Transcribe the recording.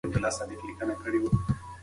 هغه غوښتل چې هېواد یې په امن کې وي.